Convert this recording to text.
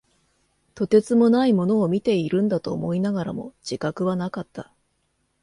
とてつもないものを見ているんだと思いながらも、自覚はなかった。